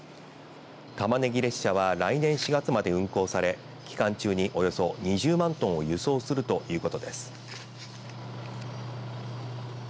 たまねぎ列車は来年４月まで運行され期間中に、およそ２０万トンを輸送するということです。